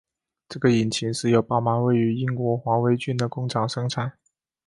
这个引擎是由宝马位于英国华威郡的工厂生产。